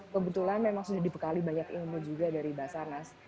kebetulan memang sudah dipekali banyak ilmu juga dari basar nas